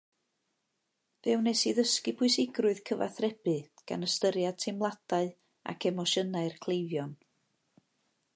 Fe wnes i ddysgu pwysigrwydd cyfathrebu gan ystyried teimladau ac emosiynau'r cleifion